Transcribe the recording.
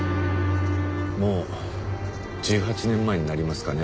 もう１８年前になりますかね